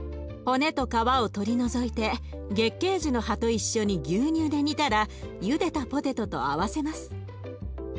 骨と皮を取り除いて月けい樹の葉と一緒に牛乳で煮たらゆでたポテトと合わせます。